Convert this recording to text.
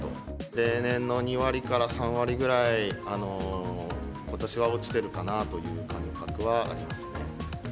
例年の２割から３割ぐらい、ことしは落ちてるかなという感覚はありますね。